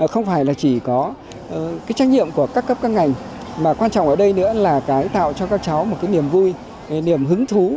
không phải là chỉ có cái trách nhiệm của các cấp các ngành mà quan trọng ở đây nữa là cái tạo cho các cháu một cái niềm vui niềm hứng thú